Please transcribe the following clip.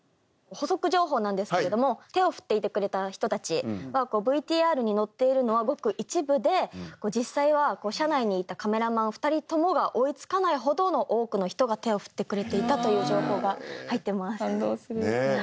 補足情報なんですけれども手を振っていてくれた人たちはＶＴＲにのっているのはごく一部で実際は車内にいたカメラマン２人ともが追いつかないほどの多くの人が手を振ってくれていたという情報が入ってます。